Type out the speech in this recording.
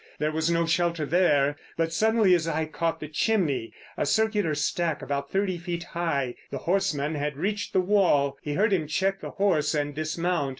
There was no shelter there—but suddenly his eye caught the chimney, a circular stack about thirty feet high. The horseman had reached the wall; he heard him check the horse and dismount.